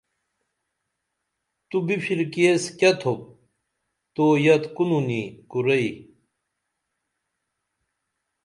تُو بِپھرکی ایس کیہ تھوپ تو یت کنوں نینی کُرئی